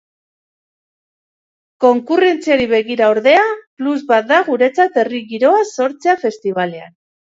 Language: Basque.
Konkurrentziari begira, ordea, plus bat da guretzat herri giroa sortzea festibalean.